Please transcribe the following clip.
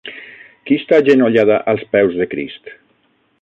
Qui està agenollada als peus de Crist?